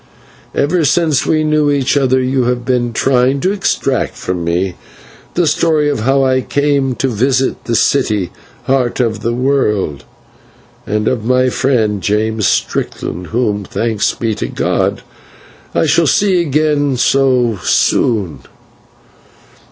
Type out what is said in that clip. Ever since we knew each other you have been trying to extract from me the story of how I came to visit the city, Heart of the World, and of my friend, James Strickland, whom, thanks be to God, I so soon shall see again.